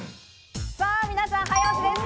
さあ皆さん、早押しです。